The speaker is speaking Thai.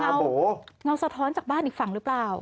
เงาสะท้อนจากบ้านอีกฝั่งหรือเปล่า